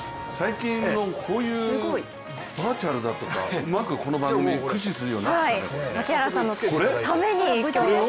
最近のこういうバーチャルだとか、うまくこの番組駆使するようになってきたね。